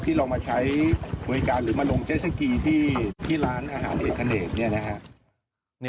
ที่เรามาใช้วิวัยการหรือมาลงเจ็ตสกีที่ร้านอาหารเอกณ์